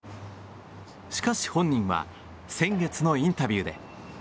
しかし本人は先月のインタビューで。